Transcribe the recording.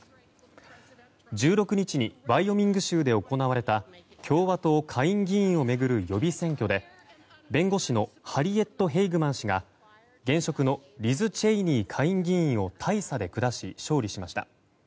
１６日にワイオミング州で行われた共和党下院議員を巡る予備選挙で弁護士のハリエット・ヘイグマン氏が現職のリズ・チェイニー下院議員を大差で下し勝利しました。